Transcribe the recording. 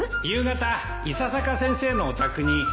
夕方伊佐坂先生のお宅に